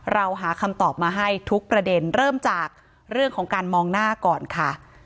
เราหาคำตอบมาให้ทุกประเด็นเริ่มจากเรื่องของการมองหน้าก่อนค่ะ